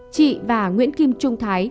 chị và nguyễn kim trung thái